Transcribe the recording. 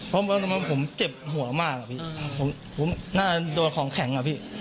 เพราะผมเจ็บหัวมาก้าด้วยของแข็งอ่ะพี่